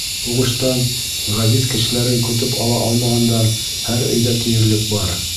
Һуғыштан ғәзиз кешеләрен көтөп ала алмағандар һәр өйҙә тиерлек бар.